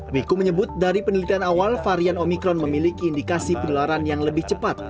wiku menyebut dari penelitian awal varian omikron memiliki indikasi penularan yang lebih cepat